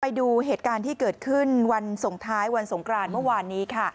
ไปดูเหตุการณ์ที่เกิดขึ้นวันส่งท้ายวันสงกรานเมื่อวานนี้ค่ะ